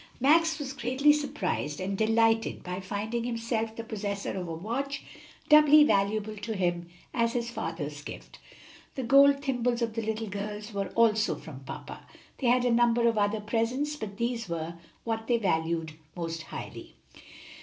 Max was greatly surprised and delighted by finding himself the possessor of a watch, doubly valuable to him as his father's gift. The gold thimbles of the little girls were also from papa. They had a number of other presents, but these were what they valued most highly.